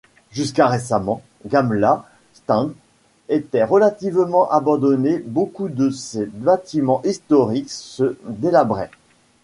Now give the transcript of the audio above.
Jusqu'à récemment, Gamla stan était relativement abandonnée, beaucoup de ses bâtiments historiques se délabraient.